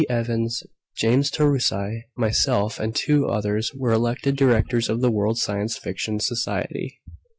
Evans, James Taurasi, myself and 2 others were elected Directors of the World Science Fiction Society.